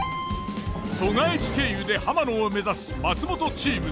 蘇我駅経由で浜野を目指す松本チーム。